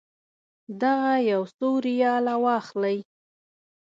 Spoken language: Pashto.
دغه یو څو ریاله واخلئ.